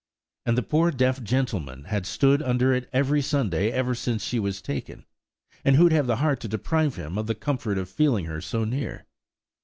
And the poor dear gentleman had stood under it every Sunday ever since she was taken, and who'd have the heart to deprive him of the comfort of feeling her so near?